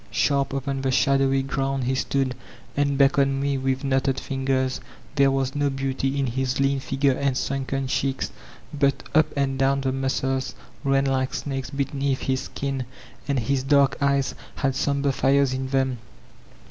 Sharp upon the shadowy ground he stood, and beckoned me with knotted fingers. There was no beauty in his lean figure and sunken cheeks ; but up and down the muscles ran like snakes beneath his skin, and The Rbwaid of an Avovtatb 435 his dark eyes had somber fires in thesn.